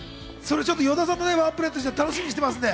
それ、ちょっと与田さんのワンプレートとして楽しみにしています。